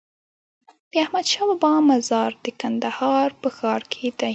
د احمدشاهبابا مزار د کندهار په ښار کی دی